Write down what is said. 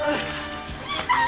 ・新さん！